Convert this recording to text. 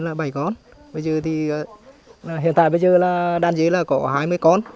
đàn dây là bảy con hiện tại bây giờ đàn dây là có hai mươi con